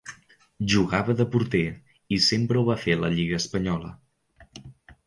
Jugava de porter i sempre ho va fer en la Lliga espanyola.